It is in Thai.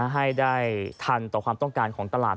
ให้ได้ทันต่อความต้องการของตลาด